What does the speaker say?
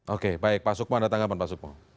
oke baik pak sukmo ada tanggapan pak sukmo